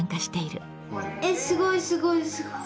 えすごいすごいすごい。